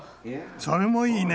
それもいいね。